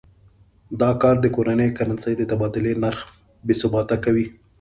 دا کار د کورنۍ کرنسۍ د تبادلې نرخ بې ثباته کوي.